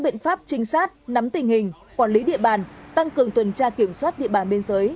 biện pháp trinh sát nắm tình hình quản lý địa bàn tăng cường tuần tra kiểm soát địa bàn biên giới